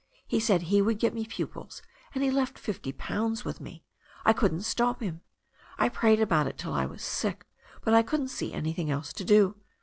He said he would get me pupils and he left fifty pounds with me — I couldn't stop him. I prayed about it till I was sick, but I couldn't see anything else to do.